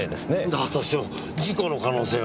だとしても事故の可能性は。